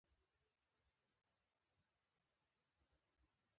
ياره خلک خپل اولاد دومره نه نازوي.